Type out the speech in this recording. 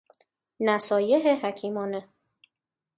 نصایح حکیمانه